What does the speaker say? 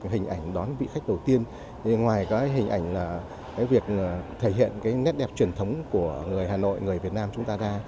hình ảnh đón vị khách đầu tiên ngoài cái hình ảnh là cái việc thể hiện cái nét đẹp truyền thống của người hà nội người việt nam chúng ta